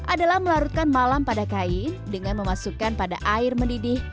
adalah melarutkan malam pada kain dengan memasukkan pada air mendidih